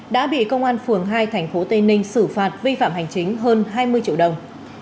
đã bị công an phường hai tp tây ninh xử phạt vi phạm hành chính hơn hai mươi triệu đồng